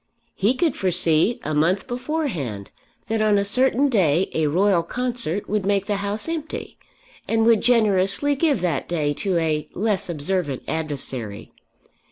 He could foresee a month beforehand that on a certain day a Royal concert would make the House empty, and would generously give that day to a less observant adversary.